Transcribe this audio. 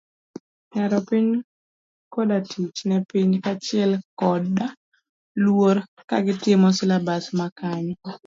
Hero piny, koda tich ne piny kachiel koda luor kagitimo silabas ma kanyo.